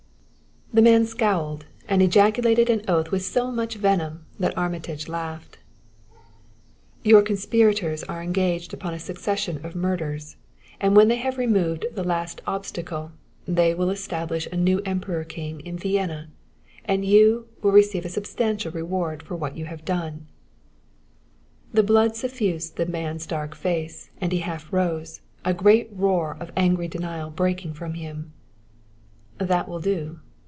The man scowled and ejaculated an oath with so much venom that Armitage laughed. "Your conspirators are engaged upon a succession of murders, and when they have removed the last obstacle they will establish a new Emperor king in Vienna and you will receive a substantial reward for what you have done " The blood suffused the man's dark face, and he half rose, a great roar of angry denial breaking from him. "That will do.